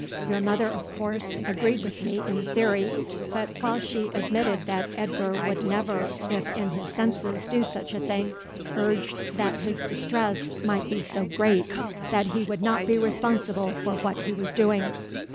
Your mother, of course, agreed with me in theory; but while she admitted that Edgar would never if in his senses do such a thing, urged that his distress might be so great that he would not be responsible for what he was doing.